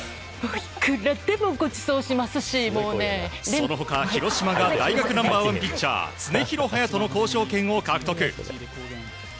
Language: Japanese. その他広島が大学ナンバー１ピッチャー常廣羽也斗の交渉権を獲得。